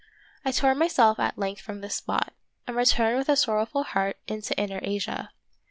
I tore myself at length from this spot, and re turned with a sorrowful heart into inner Asia.